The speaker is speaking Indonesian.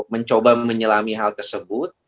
mencoba menyelami hal tersebut